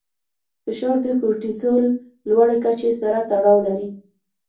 فشار د کورټیسول لوړې کچې سره تړاو لري.